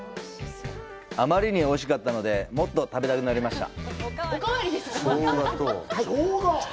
あまりにおいしかったので、もっと食べたくなりました。